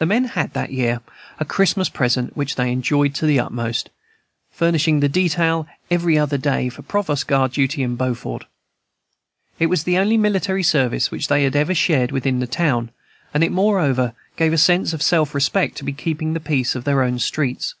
The men had that year a Christmas present which they enjoyed to the utmost, furnishing the detail, every other day, for provost guard duty in Beaufort. It was the only military service which they had ever shared within the town, and it moreover gave a sense of self respect to be keeping the peace of their own streets.